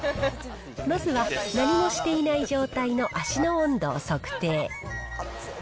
まずは何もしていない状態の足の温度を測定。